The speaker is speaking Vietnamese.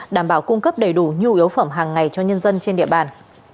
đảm bảo cung cấp đầy đủ nhu yếu phẩm hàng ngày cho nhân dân trên địa bàn